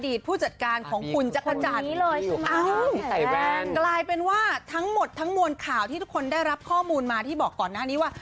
ผู้จัดการของคุณจักรจันทร์กลายเป็นว่าทั้งหมดทั้งมวลข่าวที่ทุกคนได้รับข้อมูลมาที่บอกก่อนหน้านี้ว่า